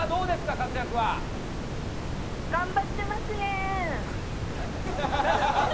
活躍は。頑張ってますね！